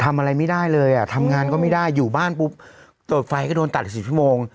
ทำอะไรไม่ได้เลยอ่ะทำงานก็ไม่ได้อยู่บ้านปุ๊บตรวจไฟก็โดนตัด๔ชั่วโมง